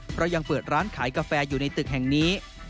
เพราะยังเปิดร้านขายกาแฟอยู่ในตึกแห่งนี้